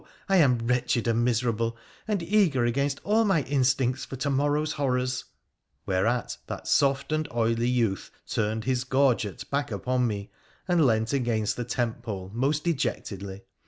I am wretched and miserable, and eager against all my instincts for to morrow's horrors !' Whereat that soft and silly youth turned his gorget back upon me and lent against the tent pole most dejectedly.